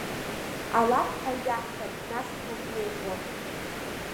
Алакәҳәаҩ иаҳҭап, нас, ҳаннеиуа.